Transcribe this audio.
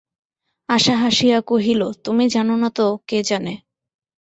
আশা হাসিয়া কহিল, তুমি জান না তো কে জানে।